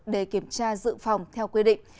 để kiểm tra dự phòng theo quy định